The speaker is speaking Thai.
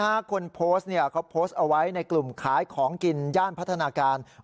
คนโพสต์เนี่ยเขาโพสต์เอาไว้ในกลุ่มขายของกินย่านพัฒนาการ